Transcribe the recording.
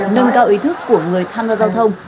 nâng cao ý thức của người tham gia giao thông